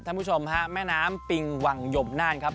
ท่านผู้ชมครับแม่น้ำปิงวังยมน่านครับ